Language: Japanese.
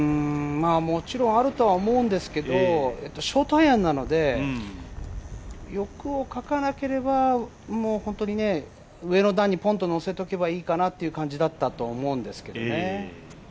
もちろんあるとは思うんですけど、ショートアイアンなので欲をかかなければ本当に上の段にポンとのせておけばいいかなという感じだったんですけどね。